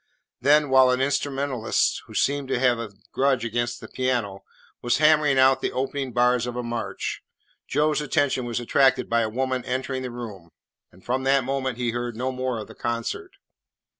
Then, while an instrumentalist, who seemed to have a grudge against the piano, was hammering out the opening bars of a march, Joe's attention was attracted by a woman entering the room, and from that moment he heard no more of the concert.